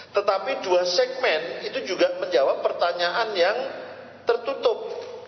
tetapi dua segmen itu juga menjawab pertanyaan yang tertutup